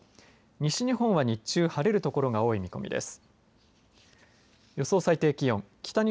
西日本は日中晴れる所が多い見込みです。